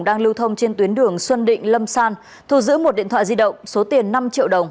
đang lưu thông trên tuyến đường xuân định lâm san thu giữ một điện thoại di động số tiền năm triệu đồng